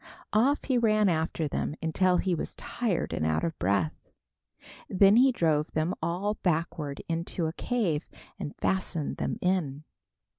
Off he ran after them until he was tired and out of breath. Then he drove them all backward into a cave, and fastened them in.